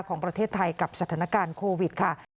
ของประเทศไทยกับสถานการณ์โควิดค่ะ